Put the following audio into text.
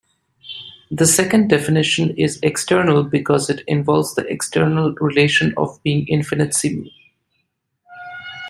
The second definition is external because it involves the external relation of being infinitesimal.